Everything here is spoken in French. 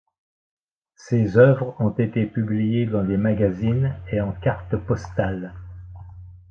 Ses œuvres ont été publiées dans des magazines et en cartes postales.